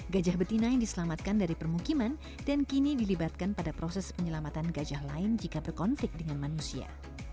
gajah betina yang diselamatkan dari permukiman dan kini dilibatkan pada proses penyelamatan gajah lain jika berkonflik dengan manusia